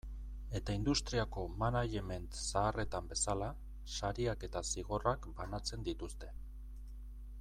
Eta industriako management zaharretan bezala, sariak eta zigorrak banatzen dituzte.